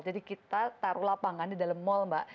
kita taruh lapangan di dalam mall mbak